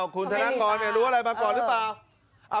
คุณธนกรรู้อะไรมาก่อนหรือเปล่า